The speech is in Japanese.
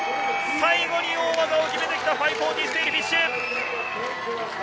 最後に大技を決めてきた、５４０ステイルフィッシュ。